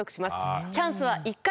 チャンスは１回。